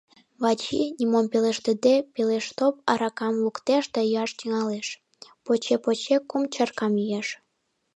Вачи, нимом пелештыде, пелыштоп аракам луктеш да йӱаш тӱҥалеш, поче-поче кум чаркам йӱэш.